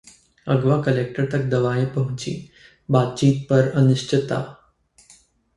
अगवा कलेक्टर तक दवाएं पहुंची, बातचीत पर अनिश्चितता